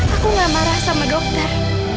aku gak marah sama dokter